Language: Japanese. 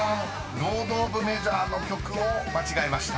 ［ロードオブメジャーの曲を間違えました］